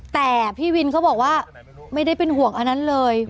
แต่พี่วินเขาบอกว่าไม่ได้เป็นห่วงอันนั้นเลย